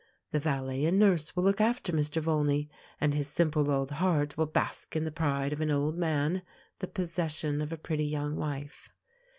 The valet and nurse will look after Mr. Volney, and his simple old heart will bask in the pride of an old man the possession of a pretty young wife.